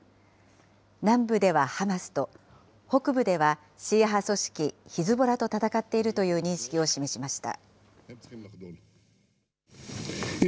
南部ではハマスと、北部ではシーア派組織ヒズボラと戦っているという認識を示しました。